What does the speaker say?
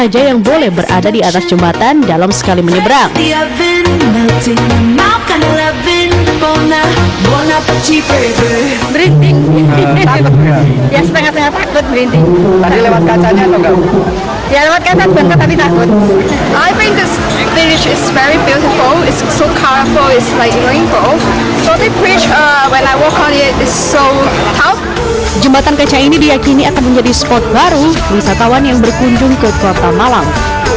jembatan kaca ini diyakini akan menjadi spot baru wisatawan yang berkunjung ke kota malang